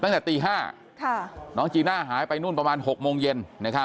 ตั้งแต่ตี๕น้องจีน่าหายไปนู่นประมาณ๖โมงเย็น